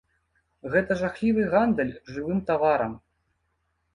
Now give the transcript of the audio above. Гэта жахлівы гандаль жывым таварам.